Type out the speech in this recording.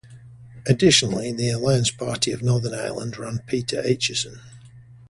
Additionally the Alliance Party of Northern Ireland ran Peter Acheson.